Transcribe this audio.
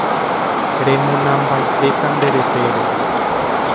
remonambaitéta nde retére